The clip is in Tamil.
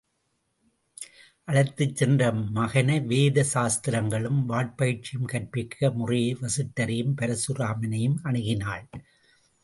அழைத்துச் சென்ற மகனைவேத சாத்திரங்களும் வாட்பயிற்சியும் கற்பிக்க முறையே வசிட்டரையும் பரசுராமனையும் அணுகினாள்.